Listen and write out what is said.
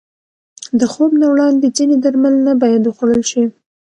د خوب نه وړاندې ځینې درمل نه باید وخوړل شي.